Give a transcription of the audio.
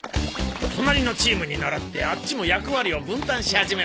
隣のチームに倣ってあっちも役割を分担し始めましたね。